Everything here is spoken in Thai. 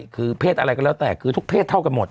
คือเพศอะไรก็แล้วแต่คือทุกเพศเท่ากันหมด